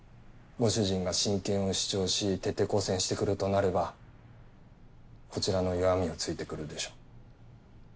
ご主人が親権を主張し徹底抗戦してくるとなればこちらの弱みを突いてくるでしょう。